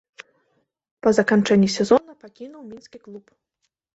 Па заканчэнні сезона пакінуў мінскі клуб.